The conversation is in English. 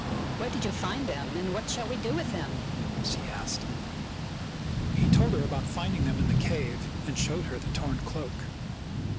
"Where did you find them, and what shall we do with them ?" she asked. He told her about finding them in the cave, and showed her the torn cloak.